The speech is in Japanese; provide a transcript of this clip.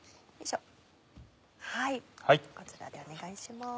こちらでお願いします。